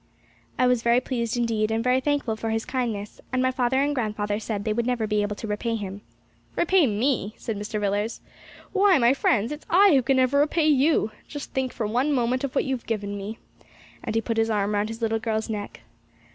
I was very pleased indeed, and very thankful for his kindness, and my father and grandfather said they would never be able to repay him. 'Repay me!' said Mr. Villiers. 'Why, my friends, it's I who can never repay you. Just think, for one moment, of what you have given me' and he put his arm round his little girl's neck.'